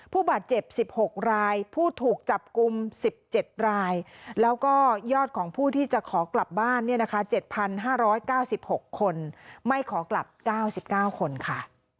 ผู้บาดเจ็บ๑๖รายผู้ถูกจับกลุ่ม๑๗รายแล้วก็ยอดของผู้ที่จะขอกลับบ้านเนี่ยนะคะ๗๕๙๖คนไม่ขอกลับ๙๙คนค่ะ